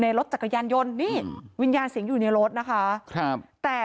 รถจักรยานยนต์นี่วิญญาณสิงห์อยู่ในรถนะคะครับแต่